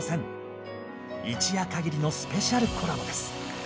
一夜かぎりのスペシャルコラボです！